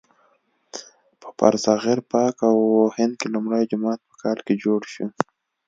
په برصغیر پاک و هند کې لومړی جومات په کال کې جوړ شو.